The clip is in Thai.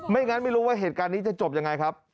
ไม่อย่างนั้นไม่รู้ว่าเหตุการณ์นี้จะจบอย่างไรครับ